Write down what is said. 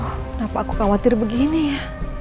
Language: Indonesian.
kenapa aku khawatir begini ya